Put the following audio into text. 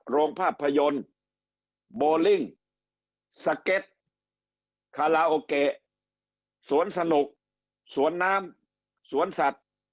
โรงภาพยนตร์โบลิ่งสเก็ตคาราโอเกะสวนสนุกสวนน้ำสวนสัตว์